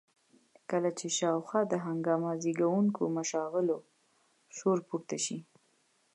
کله چې شاوخوا د هنګامه زېږوونکو مشاغلو شور پورته شي.